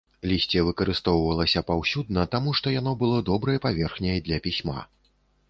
Лісце выкарыстоўвалася паўсюдна, таму што яно было добрай паверхняй для пісьма.